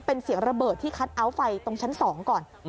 เป็นเสียงระเบิดที่คัทเอาท์ไฟตรงชั้น๒ก่อน